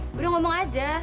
gue udah ngomong aja